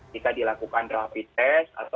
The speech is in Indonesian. kita dilakukan rapid test atau